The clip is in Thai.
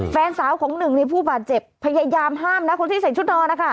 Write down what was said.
แฟนสาวของหนึ่งในผู้บาดเจ็บพยายามห้ามนะคนที่ใส่ชุดนอนนะคะ